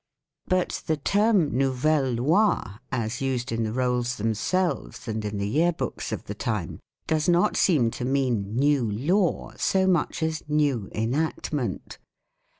But the term "novel ley," as used in the Rolls themselves and in the Year Books of the time, does not seem to mean new law so much as new enactment.